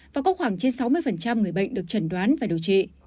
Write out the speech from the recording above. và có khoảng trên sáu mươi người bệnh được trần đoán và điều trị